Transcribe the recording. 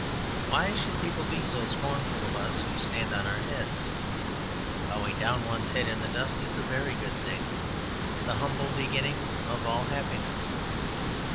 Why should people be so scornful of us who stand on our heads? Bowing down one's head in the dust is a very good thing, the humble beginning of all happiness.